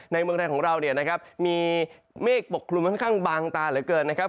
เมืองไทยของเราเนี่ยนะครับมีเมฆปกคลุมค่อนข้างบางตาเหลือเกินนะครับ